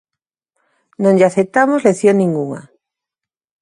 Non lle aceptamos lección ningunha.